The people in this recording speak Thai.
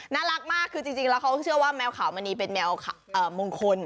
น่ารักมากคือจริงแล้วเขาเชื่อว่าแมวขาวมณีเป็นแมวมงคล